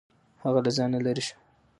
هغه له ځانه لرې شو.